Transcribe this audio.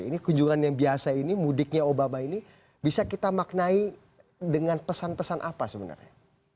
ini kunjungan yang biasa ini mudiknya obama ini bisa kita maknai dengan pesan pesan apa sebenarnya